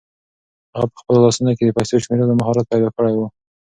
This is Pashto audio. هغه په خپلو لاسو کې د پیسو د شمېرلو مهارت پیدا کړی و.